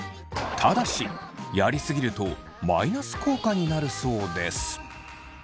ただしやりすぎるとマイナス効果になるそうです。